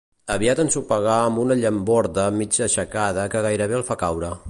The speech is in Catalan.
Aviat ensopegarà amb una llamborda mig aixecada que gairebé el farà caure.